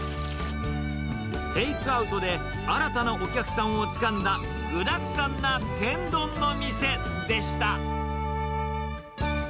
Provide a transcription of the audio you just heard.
テイクアウトで新たなお客さんをつかんだ、具だくさんな天丼の店でした。